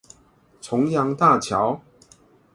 重陽大橋